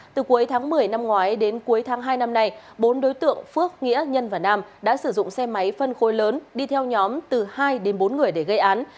từ cuối tháng một mươi năm ngoái đến cuối tháng hai năm nay bốn đối tượng phước nghĩa nhân và nam đã sử dụng xe máy phân khối lớn đi theo nhóm từ hai đến bốn người để gây án